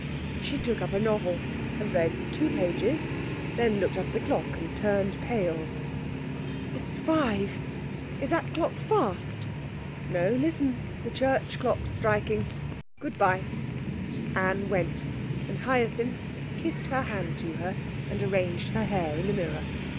She took up a novel and read two pages, then looked up at the clock and turned pale. 'It's five. Is that clock fast?' 'No; listen, the church clock's striking. Good bye.' Anne went, and Hyacinth kissed her hand to her and arranged her hair in the mirror.